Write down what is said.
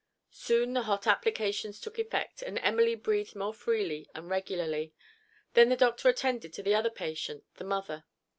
Soon the hot applications took effect, and Emily breathed more freely and regularly. Then the doctor attended to the other patient—the mother.